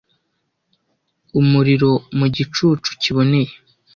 umuriro mu gicucu kiboneye